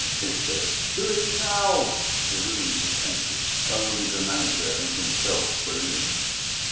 it said. "Do it now!" The room was empty. Only the Manager and himself were in it.